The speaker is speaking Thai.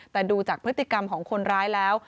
แต่ดูจากพฤติกรรมของคนร้ายแล้ว